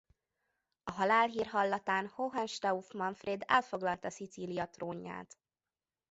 A halálhír hallatán Hohenstauf Manfréd elfoglalta Szicília trónját.